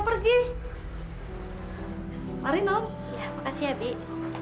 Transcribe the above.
pergi hari non ya makasih ya bik